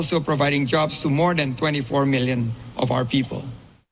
sedangkan juga memberikan pekerjaan kepada lebih dari dua puluh empat juta orang kita